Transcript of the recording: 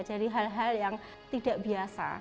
jadi hal hal yang tidak biasa